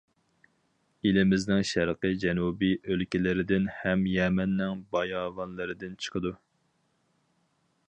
ئېلىمىزنىڭ شەرقىي جەنۇبىي ئۆلكىلىرىدىن ھەم يەمەننىڭ باياۋانلىرىدىن چىقىدۇ.